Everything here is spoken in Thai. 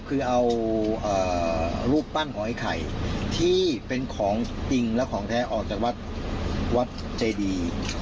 คือเอารูปปั้นของไอ้ไข่ที่เป็นของจริงและของแท้ออกจากวัดวัดเจดี